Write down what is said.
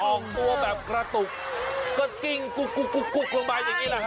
ออกตัวแบบกระตุกก็กิ้งลงมาอย่างนี้